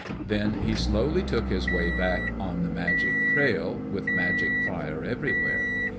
Then he slowly took his way back on the magic trail, with magic fire everywhere.